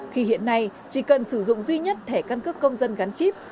khi hiện nay chỉ cần sử dụng duy nhất thẻ căn cước công dân gắn chip